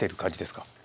そうですね